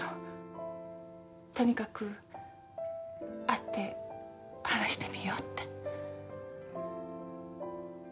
とにかく会って話してみようって。